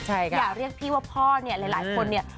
อยากเรียกพี่ว่าพ่อเนี่ยหลายคนเนี่ย